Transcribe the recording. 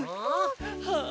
はあ。